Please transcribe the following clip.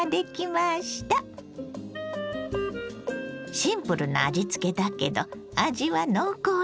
シンプルな味つけだけど味は濃厚よ。